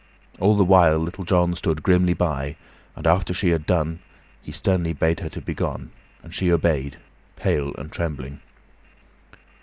All the while Little John stood grimly by, and after she had done he sternly bade her to begone, and she obeyed, pale and trembling.